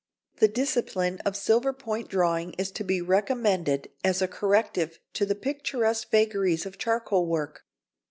The discipline of silver point drawing is to be recommended as a corrective to the picturesque vagaries of charcoal work.